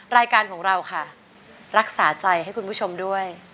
รายการของเราค่ะรักษาใจให้คุณผู้ชมด้วย